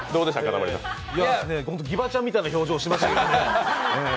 ギバちゃんみたいな表情してましたけどね。